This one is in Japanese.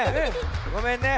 ごめんね。